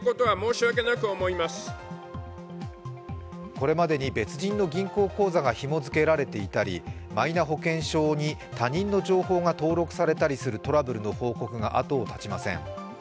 これまでに、別人の銀行口座がひも付けられていたりマイナ保険証に他人の情報が登録されたりするトラブルの報告が後を絶ちません。